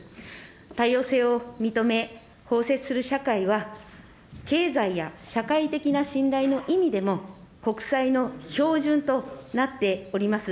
多様性を認め、包摂する社会は、経済や社会的な信頼の意味でも、国際の標準となっております。